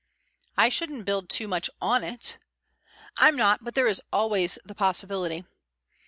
"I shouldn't build too much on it." "I'm not, but there is always the possibility."